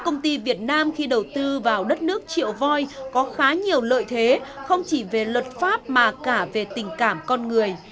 nam khi đầu tư vào đất nước triệu voi có khá nhiều lợi thế không chỉ về luật pháp mà cả về tình cảm con người